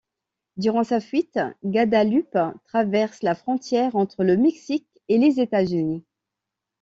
Durant sa fuite, Guadalupe traverse la frontière entre le Mexique et les États-Unis.